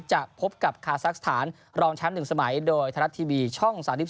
จะพบกับคาซักสถานรองแชมป์๑สมัยโดยไทยรัฐทีวีช่อง๓๒